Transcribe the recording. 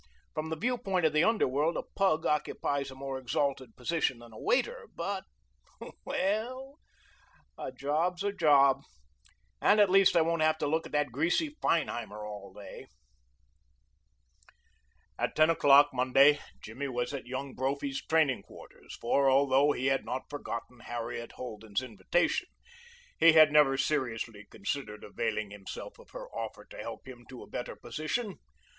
From the view point of the underworld a pug occupies a more exalted position than a waiter; but oh, well, a job's a job, and at least I won't have to look at that greasy Feinheimer all day." At ten o'clock Monday Jimmy was at Young Brophy's training quarters, for, although he had not forgotten Harriet Holden's invitation, he had never seriously considered availing himself of her offer to help him to a better position.